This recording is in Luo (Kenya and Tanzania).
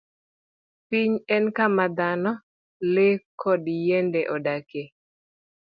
Piny en kama dhano, le, kod yiende odakie.